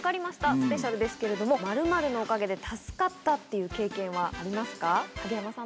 スペシャルですけれども、○○のおかげで助かったっていう経験はありますか？